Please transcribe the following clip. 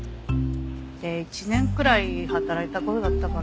で１年くらい働いた頃だったかな？